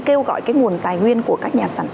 kêu gọi cái nguồn tài nguyên của các nhà sản xuất